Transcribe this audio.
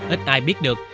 ít ai biết được